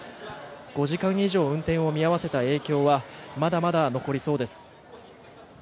５時間以上運転を見合わせた影響はまだまだ残りそうです。